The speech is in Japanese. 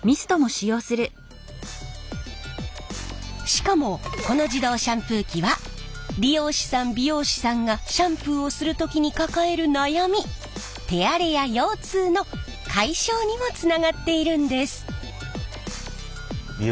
しかもこの自動シャンプー機は理容師さん美容師さんがシャンプーをする時に抱える悩み手荒れや腰痛の解消にもつながっているんです。